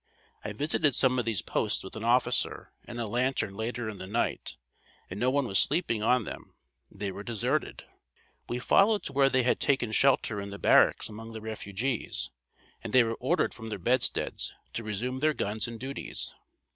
I visited some of these posts with an officer and a lantern later in the night, and no one was sleeping on them; they were deserted. We followed to where they had taken shelter in the barracks among the refugees, and they were ordered from under bedsteads, to resume their guns and duties.